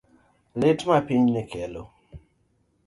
Lit ma pinyni kelo